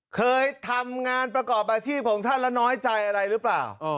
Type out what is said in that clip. เคยทำงานประกอบอาชีพของท่านแล้วน้อยใจอะไรหรือเปล่า